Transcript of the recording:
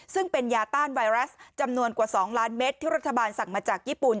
ซึ่งเป็นยาต้านไวรัสจำนวนกว่า๒ล้านเม็ดที่รัฐบาลสั่งมาจากญี่ปุ่น